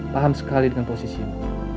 paham sekali dengan posisi mu